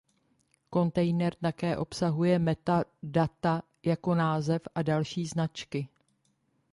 Kontejner také obsahuje metadata jako název a další značky.